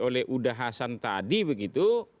oleh udah hasan tadi begitu